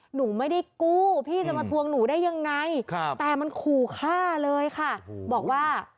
หนูไม่ได้กู้พี่จะมาทวงหนูได้ยังไงแต่มันขู่ฆ่าเลยค่ะบอกว่า